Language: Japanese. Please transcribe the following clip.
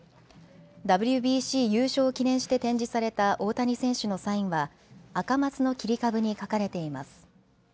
ＷＢＣ優勝を記念して展示された大谷選手のサインはアカマツの切り株に書かれています。